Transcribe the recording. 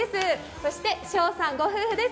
そして翔さんご夫婦です。